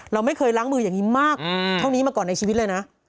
เราไม่เคยล้างมืออย่างนี้มากเท่านี้มาก่อนในชีวิตเลยนะ